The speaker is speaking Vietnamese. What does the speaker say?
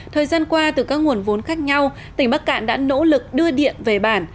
thời gian qua từ các nguồn vốn khác nhau tỉnh bắc cạn đã nỗ lực đưa điện về bản